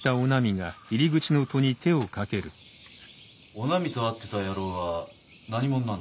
・おなみと会ってた野郎は何者なんで？